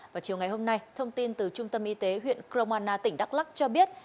vào chiều ngày hôm nay thông tin từ trung tâm y tế huyện kromana tỉnh đắk lắc cho biết